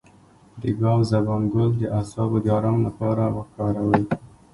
د ګاو زبان ګل د اعصابو د ارام لپاره وکاروئ